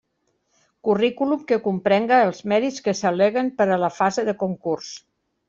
Currículum que comprenga els mèrits que s'al·leguen per a la fase de concurs.